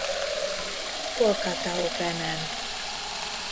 Kolkata Openen.